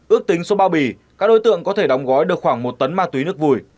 ước tính số bao bì các đối tượng có thể đóng gói được khoảng một tấn ma túy nước vùi